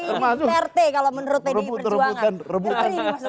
pak jokowi ini duterte kalau menurut pdi perjuangan